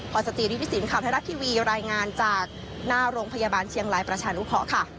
พลอยสจีริฐศิลป์ข่าวไทยรัฐทีวีรายงานจากหน้าโรงพยาบาลเชียงรายประชานุเคาะ